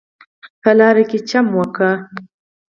په لاره کې چم وکړ.